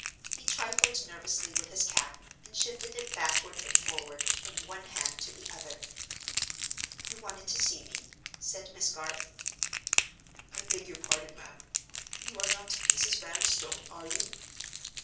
He trifled nervously with his cap, and shifted it backward and forward, from one hand to the other. "You wanted to see me?" said Miss Garth. "I beg your pardon, ma'am.—You are not Mrs. Vanstone, are you?"